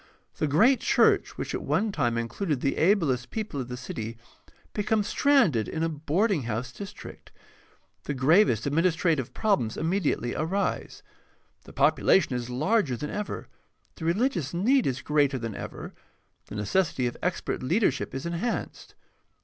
The great church which at one time included the ablest people of the city becomes stranded in a boarding house district. The gravest administrative problems immediately arise. The population is larger than ever, the religious need is greater than ever, the necessity of expert leadership is enhanced.